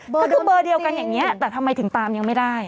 ก็คือเบอร์เดียวกันอย่างนี้แต่ทำไมถึงตามยังไม่ได้